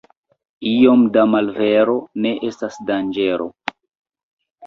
Iom da malvero ne estas danĝero.